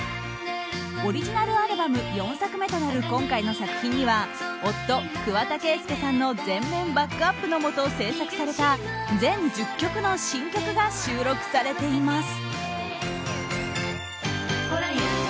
オリジナルアルバム４作目となる今回の作品には夫・桑田佳祐さんの全面バックアップのもと制作された全１０曲の新曲が収録されています。